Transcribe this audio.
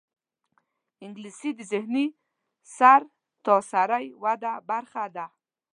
انګلیسي د ذهني سرتاسري وده برخه ده